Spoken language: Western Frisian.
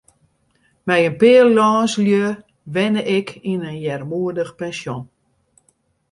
Mei in pear lânslju wenne ik yn in earmoedich pensjon.